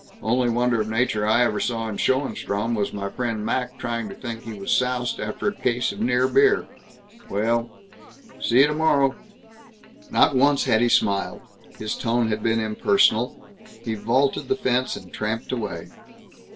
Only wonder of nature I ever saw in Schoenstrom was my friend Mac trying to think he was soused after a case of near beer. Well See you tomorrow." Not once had he smiled. His tone had been impersonal. He vaulted the fence and tramped away.